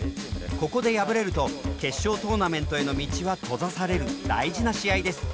ここで敗れると決勝トーナメントへの道は閉ざされる大事な試合です。